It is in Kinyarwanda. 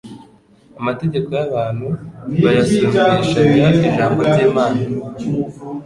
Amategeko y'abantu bayasumbishaga Ijambo ry'Imana;